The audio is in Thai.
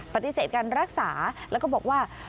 ปฏิเสธการรักษาแล้วก็บอกว่า